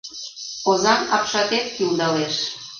Озаҥ апшатет кӱлдалеш.